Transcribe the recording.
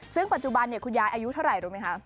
ซึ่งปัจจุบันคุณยายอายุเท่าไหร่รู้ไหมคะ